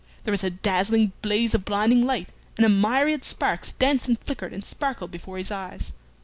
There was a dazzling blaze of blinding light, and a myriad sparks danced and flickered and sparkled before his eyes.